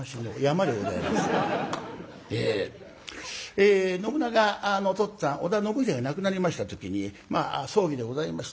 え信長のお父っつぁん織田信秀が亡くなりました時にまあ葬儀でございました。